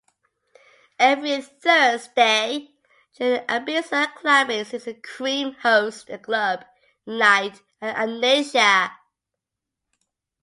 Every Thursday during the Ibiza clubbing season Cream hosts a club night at Amnesia.